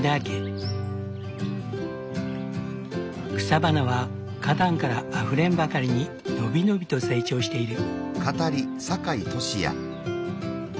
草花は花壇からあふれんばかりに伸び伸びと成長している。